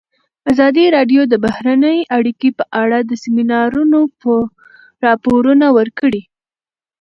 ازادي راډیو د بهرنۍ اړیکې په اړه د سیمینارونو راپورونه ورکړي.